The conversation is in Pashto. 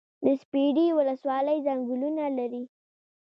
د سپیرې ولسوالۍ ځنګلونه لري